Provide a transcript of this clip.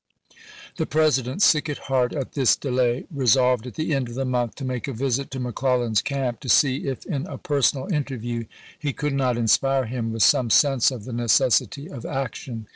The President, sick at heart at this delay, re solved at the end of the month to make a visit to McClellan's camp to see if in a personal interview he could not inspire him with some sense of the necessity of action.